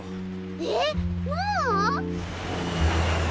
えっもう？